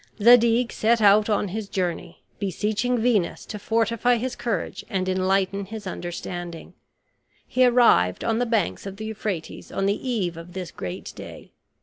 Zadig set out on his journey, beseeching Venus to fortify his courage and enlighten his understanding. He arrived on the banks of the Euphrates on the eve of this great day.